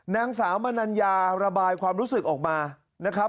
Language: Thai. นางสาวมนัญญาระบายความรู้สึกออกมานะครับ